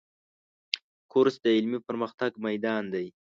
کورس د علمي پرمختګ میدان دی.